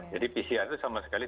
jadi pcr itu sama sekali